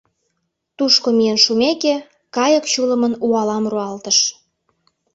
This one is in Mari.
Тушко миен шумеке, кайык чулымын уалам руалтыш.